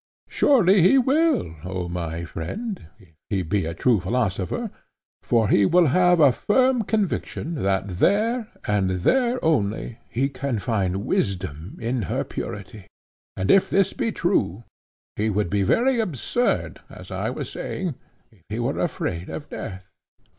Surely he will, O my friend, if he be a true philosopher. For he will have a firm conviction that there and there only, he can find wisdom in her purity. And if this be true, he would be very absurd, as I was saying, if he were afraid of death.